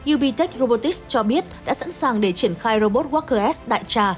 ubtech robotics cho biết đã sẵn sàng để triển khai robot walker s đại trà